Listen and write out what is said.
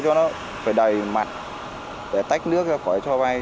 cho nó phải đầy mặt để tách nước ra khỏi cho bay